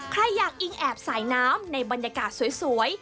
ใครอยากอิงแอบสายน้ำในบรรยากาศสวย